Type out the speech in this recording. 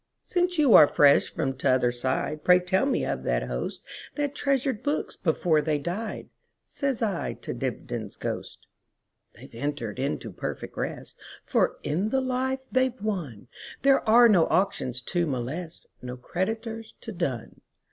"Since you are fresh from t'other side, Pray tell me of that hostThat treasured books before they died,"Says I to Dibdin's ghost."They 've entered into perfect rest; For in the life they 've wonThere are no auctions to molest, No creditors to dun.